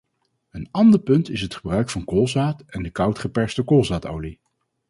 Een ander punt is het gebruik van koolzaad en de koud geperste koolzaadolie.